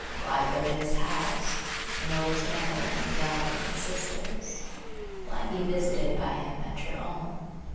Why go to his house, or know his mother and brother and sisters? Why be visited by him at your own?